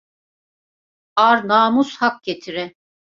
Ar namus hak getire.